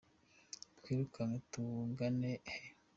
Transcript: Twirukanke tugana he?